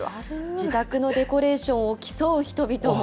自宅のデコレーションを競う人々も。